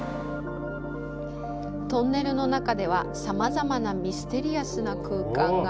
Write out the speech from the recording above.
トンネルの中ではさまざまなミステリアスな空間が。